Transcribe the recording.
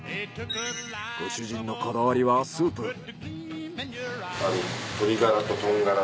ご主人のこだわりはスープ。